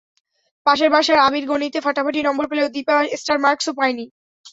পাশের বাসার আবীর গণিতে ফাটাফাটি নম্বর পেলেও দীপা স্টার মার্কসও পায়নি।